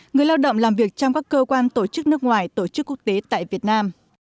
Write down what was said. người lao động làm việc trong các cơ quan tổ chức nước ngoài tổ chức quốc tế tại việt nam